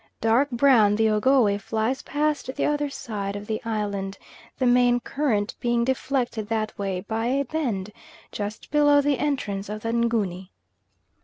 Dark brown the Ogowe flies past the other side of the island, the main current being deflected that way by a bend, just below the entrance of the Nguni.